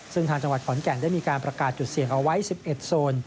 ซึ่งทางจังหวัดขอนแก่นได้มีการประกาศจุดเสี่ยงเอาไว้๑๑โซน